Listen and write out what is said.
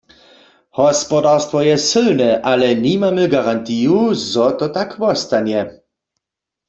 Hospodarstwo je sylne, ale nimamy garantiju, zo to tak wostanje.